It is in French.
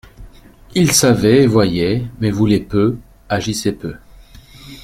Il savait et voyait, mais voulait peu, agissait peu.